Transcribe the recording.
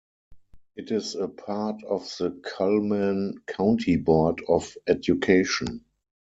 It is a part of the Cullman County Board of Education.